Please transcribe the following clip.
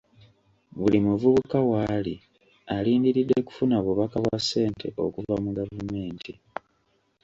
Buli muvubuka waali alindiridde kufuna bubaka bwa sente okuva mu gavumenti.